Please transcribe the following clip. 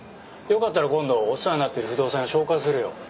よかったら今度お世話になってる不動産屋紹介するよ。